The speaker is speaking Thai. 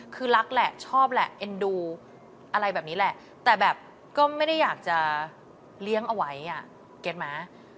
คือรักแหละชอบแหละเอ็นดูอะไรแบบนี้แหละแต่แบบก็ไม่ได้อยากจะเลี้ยงเอาไว้อ่ะเก็ตไหม